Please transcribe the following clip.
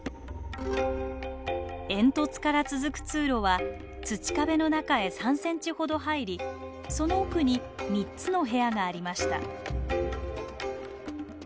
煙突から続く通路は土壁の中へ３センチほど入りその奥に３つの部屋がありました。